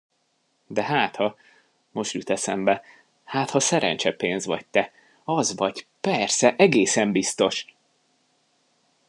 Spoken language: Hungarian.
De hátha, most jut eszembe, hátha szerencsepénz vagy te, az vagy, persze, egészen biztos!